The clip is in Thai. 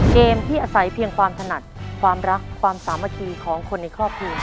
เกมที่อาศัยเพียงความถนัดความรักความสามัคคีของคนในครอบครัว